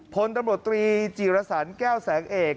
พลตำรวจตรีจีรสันแก้วแสงเอก